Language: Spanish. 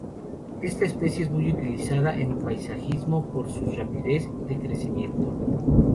Esta especie es muy utilizada en paisajismo por su rapidez de crecimiento.